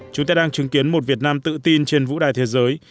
chúng ta đang chứng kiến một việt nam tự tin trên vũ đài thế giới